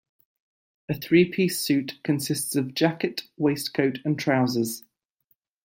A three-piece suit consists of jacket, waistcoat and trousers